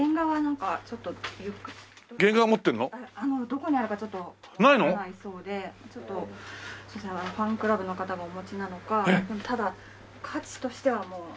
どこにあるかちょっとわからないそうでファンクラブの方がお持ちなのかただ価値としてはもう。